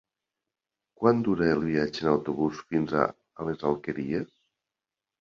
Quant dura el viatge en autobús fins a les Alqueries?